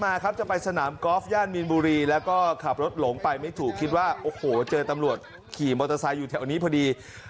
มาครับจะไปสนามกอล์ฟย่านมีนบุรีแล้วก็ขับรถหลงไปไม่ถูกคิดว่าโอ้โหเจอตำรวจขี่มอเตอร์ไซค์อยู่แถวนี้พอดี